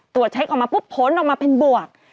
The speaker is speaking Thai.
ตรวจเช็คออกมาปุ๊บผลออกมาเป็นบวก